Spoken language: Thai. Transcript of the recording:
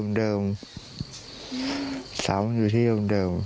ต้องโดนทุกวันแล้วก็โดนอยู่ที่เดิม